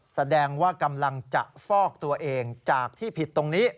แสดงว่ากำลังจะฟอกตัวเองจากที่ผิดตรงนี้